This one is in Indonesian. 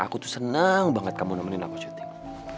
aku tuh senang banget kamu nemenin aku syuting